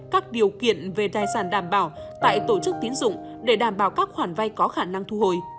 các điều kiện về tài sản đảm bảo tại tổ chức tiến dụng để đảm bảo các khoản vay có khả năng thu hồi